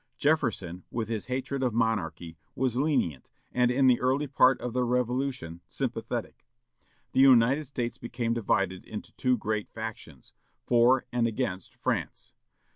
Jefferson, with his hatred of monarchy, was lenient, and, in the early part of the Revolution, sympathetic. The United States became divided into two great factions, for and against France.